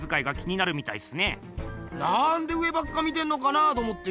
なんで上ばっか見てんのかなあと思ってよ。